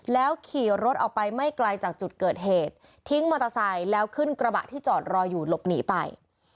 แล้วขี่รถออกไปไม่ไกลจากจุดเกิดเหตุทิ้งมอเตอร์ไซค์แล้วขึ้นกระบะที่จอดรออยู่หลบหนีไป